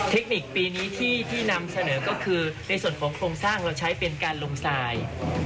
เทคนิคปีนี้ที่นำเสนอก็คือในส่วนของโครงสร้างเราใช้เป็นการลมทราย